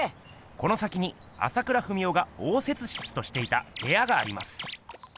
この先に朝倉文夫が応接室としていたへやがあります。